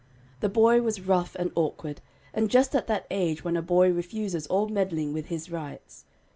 The boy was rough and awkward, and just at that age when a boy refuses all meddling with "his rights."